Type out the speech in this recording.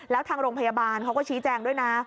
แล้วทางโรงพยาบาลเขาก็ชี้แจงด้วยนะ